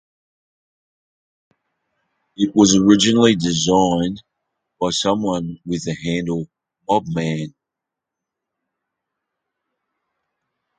It was originally designed by someone with the handle 'mobman'.